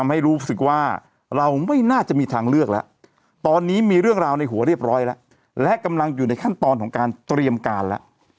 หัวเรียบร้อยแล้วกำลังอยู่ในขั้นตอนของการเตรียมการแล้ว